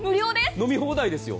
飲み放題ですよ。